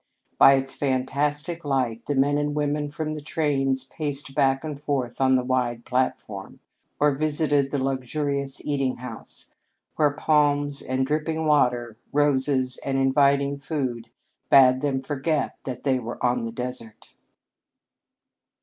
By its fantastic light the men and women from the trains paced back and forth on the wide platform, or visited the luxurious eating house, where palms and dripping waters, roses and inviting food bade them forget that they were on the desert.